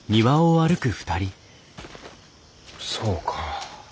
そうか。